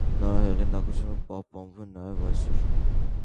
Նրա հեղինակությունը պահպանվում է նաև այսօր։